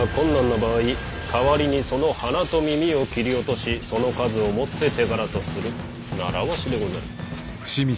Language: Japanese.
代わりにその鼻と耳を切り落としその数をもって手柄とする習わしでござる。